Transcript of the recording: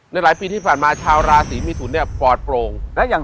ในหลายปีที่ผ่านมาชาวราศรีมิถุนเนี่ยฟอร์ดโปร่ง